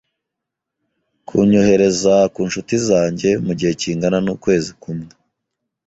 kunyohereza ku nshuti zanjye mu gihe kingana n’ukwezi kumwe.